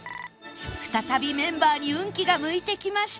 再びメンバーに運気が向いてきました